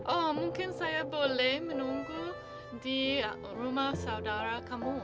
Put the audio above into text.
oh mungkin saya boleh menunggu di rumah saudara kamu